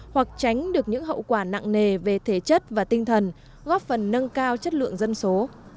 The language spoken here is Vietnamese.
hoặc tránh được những hậu quả nặng nề về thể chất và tinh thần góp phần nâng cao chất lượng dân số